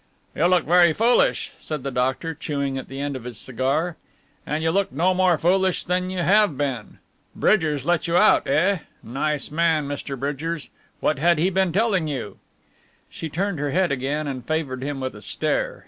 "You look very foolish," said the doctor, chewing at the end of his cigar, "and you look no more foolish than you have been. Bridgers let you out, eh? Nice man, Mr. Bridgers; what had he been telling you?" She turned her head again and favoured him with a stare.